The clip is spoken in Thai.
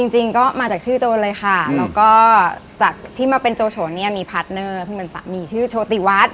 จริงก็มาจากชื่อโจรเลยค่ะแล้วก็จากที่มาเป็นโจโฉนเนี่ยมีพาร์ทเนอร์ซึ่งเป็นสามีชื่อโชติวัฒน์